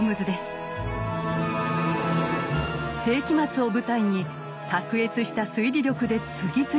世紀末を舞台に卓越した推理力で次々と難事件を解決。